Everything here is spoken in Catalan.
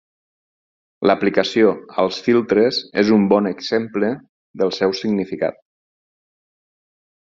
L'aplicació als filtres és un bon exemple del seu significat.